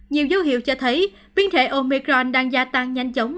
nhiều dấu hiệu cho thấy biến thể omecron đang gia tăng nhanh chóng